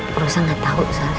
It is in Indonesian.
perusahaan nggak tahu soalnya